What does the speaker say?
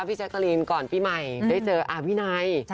พี่แจ็คตอลินก่อนปีใหม่ได้เจออาวินัย